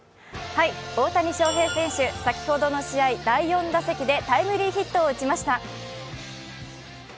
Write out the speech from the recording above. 大谷翔平選手、先ほどの試合、第４打席でタイムリーヒットを打ちました。